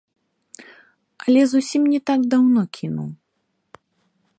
Але зусім не так даўно кінуў.